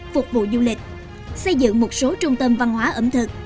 phục vụ du lịch xây dựng một số trung tâm văn hóa ẩm thực